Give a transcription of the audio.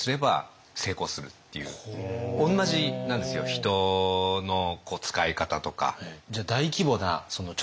人の使い方とか。